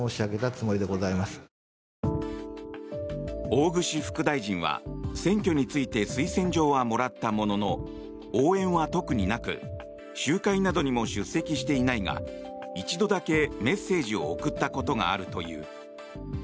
大串副大臣は選挙について推薦状はもらったものの応援は特になく集会などにも出席していないが一度だけメッセージを送ったことがあるという。